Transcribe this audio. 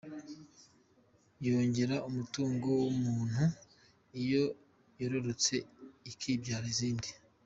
Yongera umutungo w’umuntu iyo yororotse ikabyara izindi.